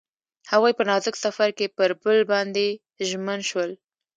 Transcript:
هغوی په نازک سفر کې پر بل باندې ژمن شول.